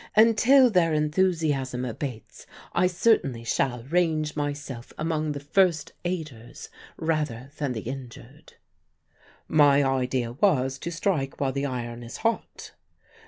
Until their enthusiasm abates, I certainly shall range myself among the First Aiders rather than the Injured." "My idea was, to strike while the iron is hot."